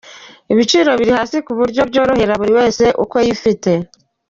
Ibiciro biri hasi kuburyo byorohera buri wese uko yifite.